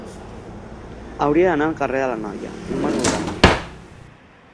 Hauria d'anar al carrer de l'Anoia número noranta.